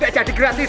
gak jadi gratis